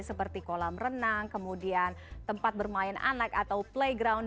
seperti kolam renang kemudian tempat bermain anak atau playground